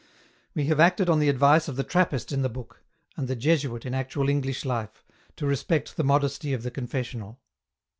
We have acted on the advice of the Trappist in the book, and the Jesuit in actual English life, to respect the modesty of the Con fessional.